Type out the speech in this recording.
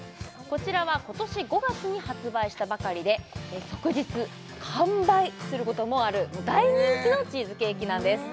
こちらは今年５月に発売したばかりで即日完売することもある大人気のチーズケーキなんです